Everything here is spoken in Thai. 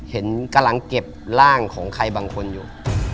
เห็นกำลังเก็บร่างของใครบางคนอยู่